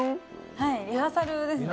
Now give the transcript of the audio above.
はいリハーサルですね。